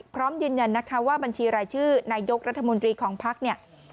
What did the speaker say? พร้อมยืนยันว่าบัญชีรายชื่อนายกรัฐมนตรีของภักรณ์